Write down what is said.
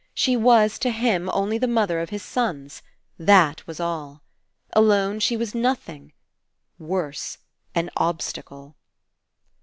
She was, to him, only the mother of his sons. That was all. Alone she was noth ing. Worse. An obstacle.